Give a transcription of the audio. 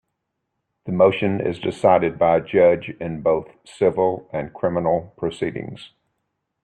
The motion is decided by a judge in both civil and criminal proceedings.